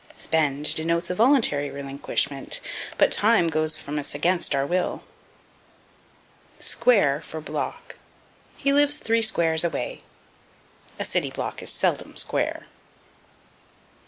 Spend denotes a voluntary relinquishment, but time goes from us against our will. Square for Block. "He lives three squares away." A city block is seldom square.